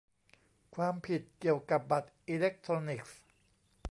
ความผิดเกี่ยวกับบัตรอิเล็กทรอนิกส์